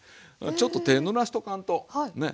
ちょっと手ぬらしとかんとね。